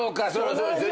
そうですよね。